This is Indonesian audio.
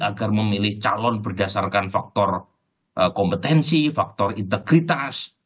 agar memilih calon berdasarkan faktor kompetensi faktor integritas